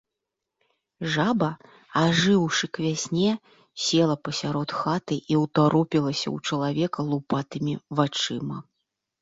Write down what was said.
Жаба, ажыўшы к вясне, села пасярод хаты і ўтаропілася ў чалавека лупатымі вачыма.